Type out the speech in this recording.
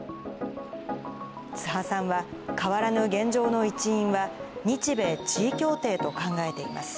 津覇さんは、変わらぬ現状の一因は日米地位協定と考えています。